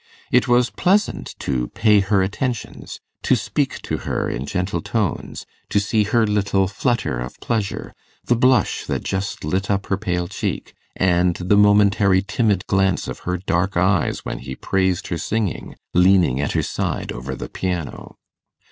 It was pleasant to pay her attentions to speak to her in gentle tones, to see her little flutter of pleasure, the blush that just lit up her pale cheek, and the momentary timid glance of her dark eyes, when he praised her singing, leaning at her side over the piano.